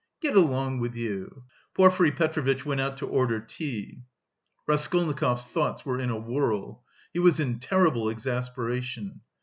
"Get along with you!" Porfiry Petrovitch went out to order tea. Raskolnikov's thoughts were in a whirl. He was in terrible exasperation.